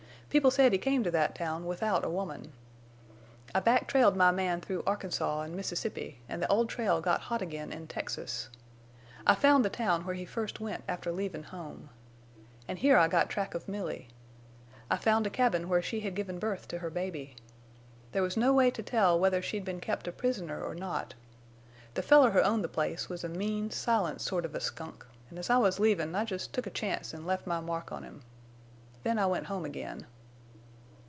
People said he came to that town without a woman. I back trailed my man through Arkansas an' Mississippi, an' the old trail got hot again in Texas. I found the town where he first went after leavin' home. An' here I got track of Milly. I found a cabin where she had given birth to her baby. There was no way to tell whether she'd been kept a prisoner or not. The feller who owned the place was a mean, silent sort of a skunk, an' as I was leavin' I jest took a chance an' left my mark on him. Then I went home again.